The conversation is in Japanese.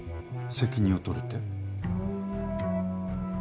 責任を取るって？